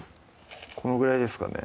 このぐらいですかね？